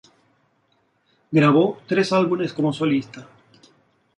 Grabó tres álbumes como solista.